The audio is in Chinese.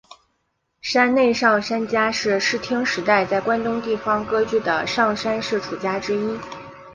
山内上杉家是室町时代在关东地方割据的上杉氏诸家之一。